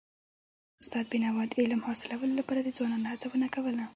استاد بينوا د علم حاصلولو لپاره د ځوانانو هڅونه کوله.